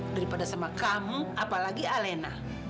daripada sama kamu apalagi alena